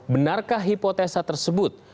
benarkah hipotesa tersebut